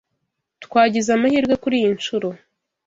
Twagize amahirwe kuriyi nshuro.